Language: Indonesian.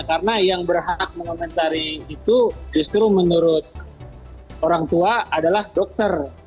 karena yang berhak mengomentari itu justru menurut orang tua adalah dokter